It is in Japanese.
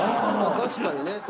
確かにね。